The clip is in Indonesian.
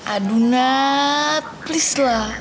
aduh nat please lah